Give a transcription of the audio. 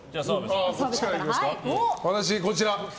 私、こちら。